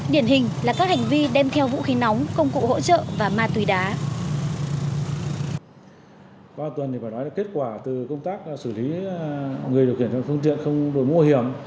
điển hình là các hành vi đem theo vũ khí nóng công cụ hỗ trợ và ma túy đá